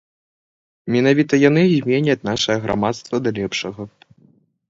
Менавіта яны зменяць нашае грамадства да лепшага.